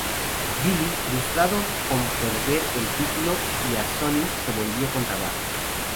Billy, frustrado con perder el título y a Sunny, se volvió contra Bart.